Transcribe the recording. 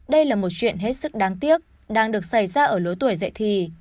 đây là một chuyện hết sức đáng tiếc đang được xảy ra ở lứa tuổi dạy thì